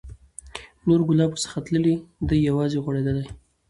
نور ګلاب ورڅخه تللي، دی یوازي غوړېدلی